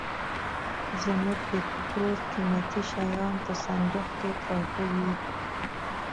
زموږ د کور قيمتي شيان په صندوخ کي پراته وي.